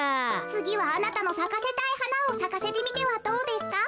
つぎはあなたのさかせたいはなをさかせてみてはどうですか？